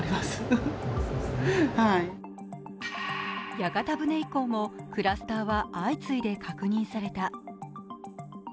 屋形船以降もクラスターは相次いで確認された。